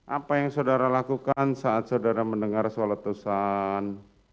apa yang saudara lakukan saat saudara mendengar soal letusan